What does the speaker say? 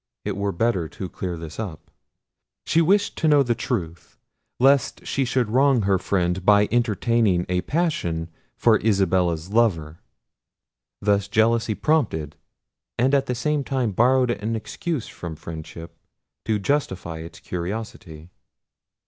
It were better to clear this up. She wished to know the truth, lest she should wrong her friend by entertaining a passion for Isabella's lover. Thus jealousy prompted, and at the same time borrowed an excuse from friendship to justify its curiosity.